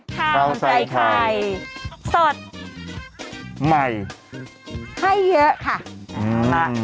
ข้าวใส่ไข่สดใหม่ให้เยอะค่ะมา